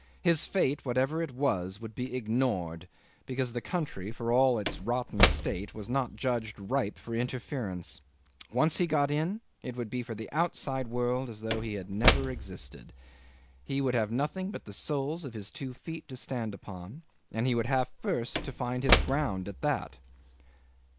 His fate, whatever it was, would be ignored, because the country, for all its rotten state, was not judged ripe for interference. Once he got in, it would be for the outside world as though he had never existed. He would have nothing but the soles of his two feet to stand upon, and he would have first to find his ground at that.